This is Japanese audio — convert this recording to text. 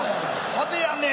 派手やね。